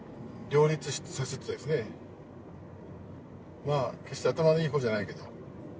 まあ決して頭のいいほうじゃないけど。